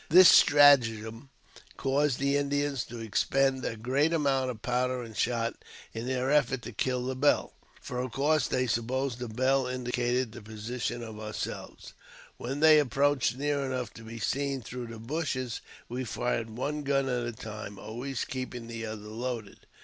122 AUTOBIOGBAPHY OF This stratagem caused the Indians to expend a great amount of powder and shot in their effort to kill the bell; for, of course, they supposed the bell indicated the position of our selves. When they approached near enough to be seen, through the bushes, we fired one gun at a time, always keep ing the other loaded.